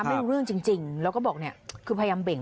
มันว่าเป็นจริงแล้วก็บอกเนี่ยคือพยายามเบ่ง